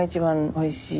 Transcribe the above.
おいしい。